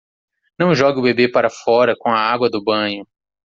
Não jogue o bebê para fora com a água do banho.